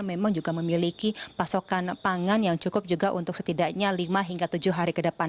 memang juga memiliki pasokan pangan yang cukup juga untuk setidaknya lima hingga tujuh hari ke depan